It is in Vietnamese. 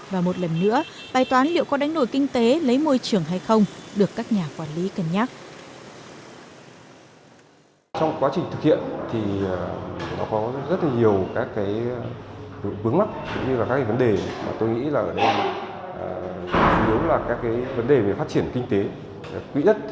và một lần nữa bài toán liệu có đánh đổi kinh tế lấy môi trường hay không được các nhà quản lý cân nhắc